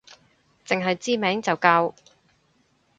淨係知名就夠